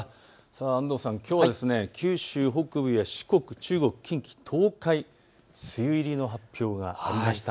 安藤さん、きょうは九州北部や四国、中国、近畿、東海、梅雨入りの発表がありました。